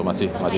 masih di dalam